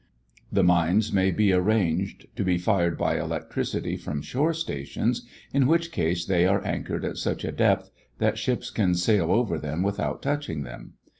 The mines may be arranged to be fired by electricity from shore stations, in which case they are anchored at such a depth that ships can sail over them without touching them.